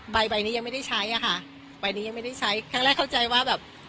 ใบใบนี้ยังไม่ได้ใช้อะค่ะใบนี้ยังไม่ได้ใช้ครั้งแรกเข้าใจว่าแบบ